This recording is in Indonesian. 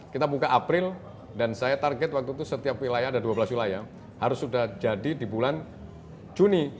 kita buka april dan saya target waktu itu setiap wilayah ada dua belas wilayah harus sudah jadi di bulan juni